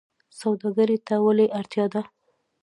سوداګرۍ ته ولې اړتیا ده؟